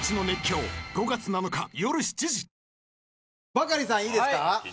バカリさんいいですか？